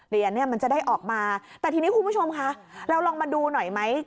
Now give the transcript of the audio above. เหรียญเนี่ยมันจะได้ออกมาแต่ทีนี้คุณผู้ชมคะเราลองมาดูหน่อยไหม